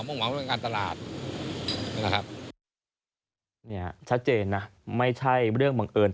หวังว่าเรื่องการตลาดนะครับเนี่ยชัดเจนนะไม่ใช่เรื่องบังเอิญ